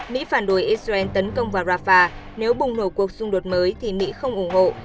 mỹ phản đối israel tấn công vào rafah nếu bùng nổ cuộc xung đột mới thì mỹ không ủng hộ